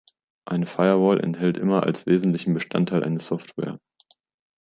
Eine Firewall enthält immer als wesentlichen Bestandteil eine Software.